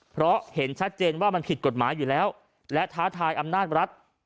เพราะเห็นชัดเจนว่ามันผิดกฎหมายอยู่แล้วและท้าทายอำนาจรัฐ